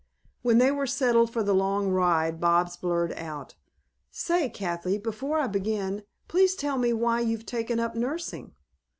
When they were settled for the long ride, Bobs blurted out: "Say, Kathy, before I begin, please tell me why you've taken up nursing?